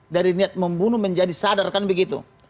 dari niat membunuh menjadi sadar kan begitu